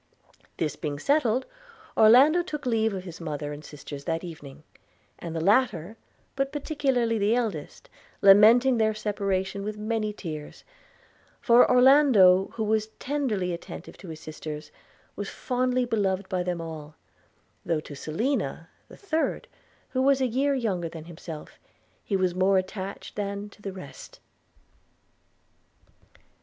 This being settled, Orlando took leave of his mother and sisters that evening: and the latter, but particularly the eldest, lamenting their separation with many tears: for Orlando, who was tenderly attentive to his sisters, was fondly beloved by them all; though to Selina, the third, who was a year younger than himself, he was more attached than to the rest.